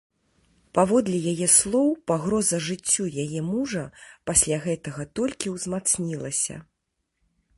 Паводле яе слоў, пагроза жыццю яе мужа пасля гэтага толькі ўзмацнілася.